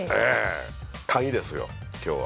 鍵ですよ今日は。